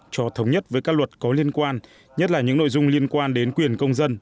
cho thống nhất với các luật có liên quan nhất là những nội dung liên quan đến quyền công dân